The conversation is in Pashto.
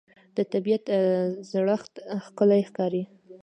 د طبیعت زړښت ښکلی ښکاري